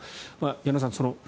矢野さん